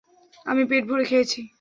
আমি পেট ভরে খেয়েছি।